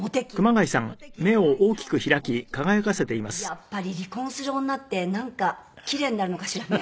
やっぱり離婚する女ってなんかキレイになるのかしらね？